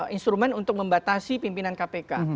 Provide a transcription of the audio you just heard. instrumen untuk membatasi pimpinan kpk